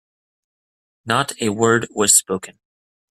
Not a word was spoken.